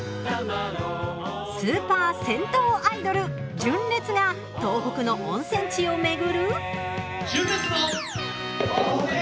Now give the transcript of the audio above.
スーパー銭湯アイドル純烈が東北の温泉地を巡る。